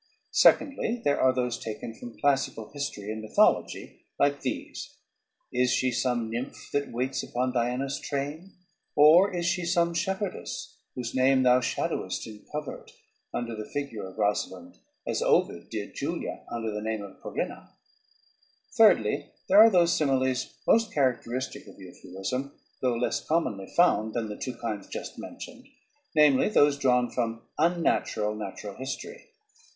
Secondly, there are those taken from classical history and mythology, like these: "Is she some nymph that waits upon Diana's train, ... or is she some shepherdess ... whose name thou shadowest in covert under the figure of Rosalynde, as Ovid did Julia under the name of Corinna?" Thirdly, there are those similes most characteristic of euphuism, though less commonly found than the two kinds just mentioned, namely, those drawn from "unnatural natural history."